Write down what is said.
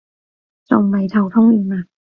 仲未頭痛完啊？